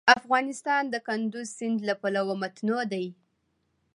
افغانستان د کندز سیند له پلوه متنوع دی.